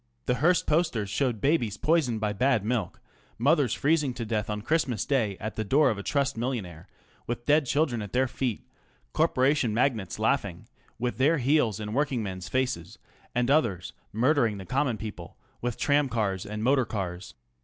The Hearst posters showed babies poisoned by bad milk, mothers freezing to death on Christmas Day at the door of a trust millionaire, with dead children at their feet ; corporation magnates laughing, with their heels in working men's faces ; and others murdering the "common people" with tramcars and motor cars.